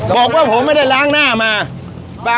บอกว่าผมไม่ได้ล้างหน้ามา